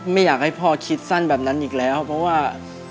ไม่อยากให้พ่อคิดสั้นแบบนั้นอีกแล้วเพราะว่า